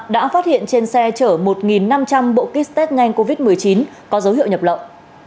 đã phát hiện trên xe chở một năm trăm linh bộ kit test nhanh covid một mươi chín có dấu hiệu nhập lậu